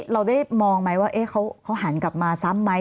เราได้มองไหมว่าเขาหันกลับมาซ้ำไหม